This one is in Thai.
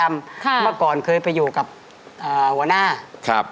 เมื่อก่อนเคยไปอยู่กับอ่าหัวหน้าครับ